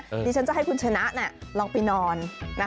ดิฉันจะให้คุณชนะลองไปนอน